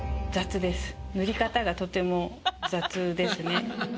塗り方がとても雑ですね。